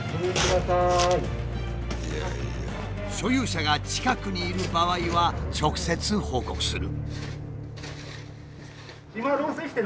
所有者が近くにいる場合は直接報告する。